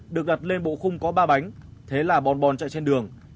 được đặt lên bộ khung có ba bánh thế là bọn bòn chạy trên đường